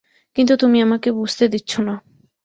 কিন্তু তুমি আমাকে বুঝতে দিচ্ছ না।